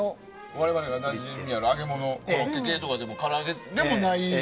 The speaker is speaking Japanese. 我々がなじみある、揚げ物コロッケ系でもから揚げでもない。